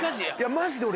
マジで俺。